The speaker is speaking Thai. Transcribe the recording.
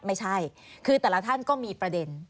ไม่ใช่คือแต่ละท่านก็มีประเด็น